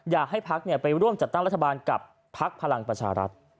อยากให้พักไปร่วมจัดตั้งรัฐบาลกับพักพลังประชารัฐ